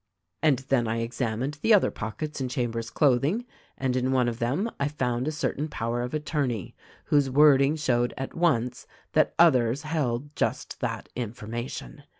"And then I examined the other pockets in Chambers' clothing, and in one of them I found a certain power of at torney whose wording showed at once that others held just that information.